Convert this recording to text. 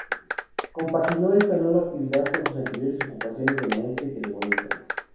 Compaginó esta nueva actividad con sus anteriores ocupaciones de maestra y telefonista.